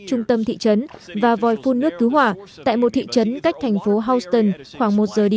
trung tâm thị trấn và vòi phun nước cứu hỏa tại một thị trấn cách thành phố houston khoảng một giờ đi